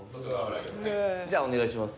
じゃあお願いします。